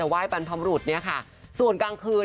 ไหว้บรรพบรุษเนี่ยค่ะส่วนกลางคืน